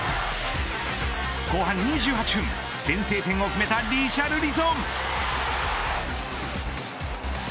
後半２８分先制点を決めたリシャルリソン。